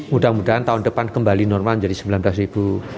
mudah mudahan tahun depan kembali normal jadi sembilan belas ribu